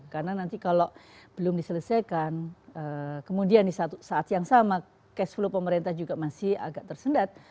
karena nanti kalau belum diselesaikan kemudian saat yang sama cash flow pemerintah juga masih agak tersendat